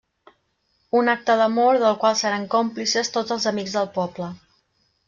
Un acte d'amor del qual seran còmplices tots els amics del poble.